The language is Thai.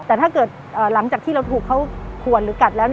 แต่ถ้าเกิดหลังจากที่เราถูกเขาขวนหรือกัดแล้ว